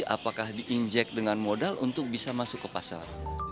apakah diinjek dengan modal untuk bisa masuk ke pasar